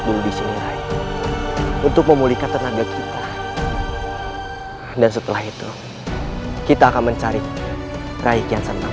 dulu disini rai untuk memulihkan tenaga kita dan setelah itu kita akan mencari rai kian santang